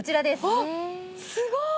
あっすごい！